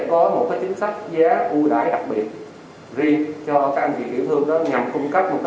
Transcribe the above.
có một cái chính sách giá ưu đãi đặc biệt riêng cho các anh chị tiểu thương đó nhằm cung cấp một